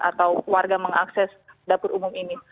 atau warga mengakses dapur umum ini